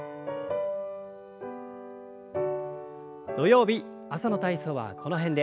土曜日朝の体操はこの辺で。